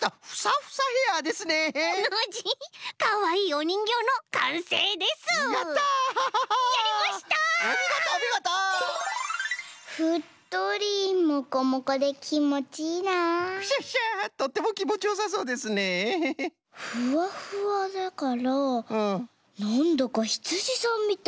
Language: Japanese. ふわふわだからなんだかヒツジさんみたい。